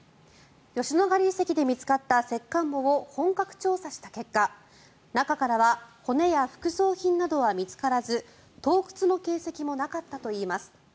吉野ヶ里遺跡で見つかった石棺墓を本格調査した結果中からは骨や副葬品などは見つからず盗掘の形跡もなかったといいます。